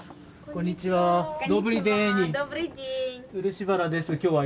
こんにちは。